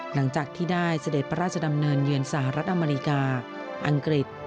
หลังจากที่ได้เสด็จพระราชดำเนินเยือนสหรัฐอเมริกาอังกฤษ